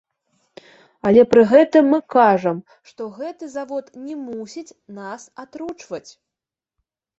Але пры гэтым мы кажам, што гэты завод не мусіць нас атручваць.